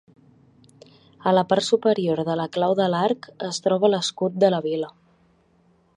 A la part superior de la clau de l'arc es troba l'escut de la vila.